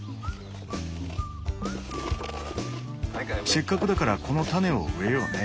せっかくだからこの種を植えようね。